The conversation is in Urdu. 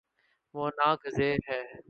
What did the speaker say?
وہ نا گزیر ہے